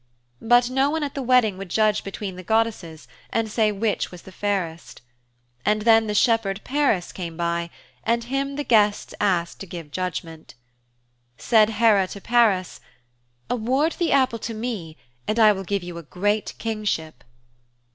But no one at the wedding would judge between the goddesses and say which was the fairest. And then the shepherd Paris came by, and him the guests asked to give judgment. Said Hera to Paris, 'Award the apple to me and I will give you a great kingship.'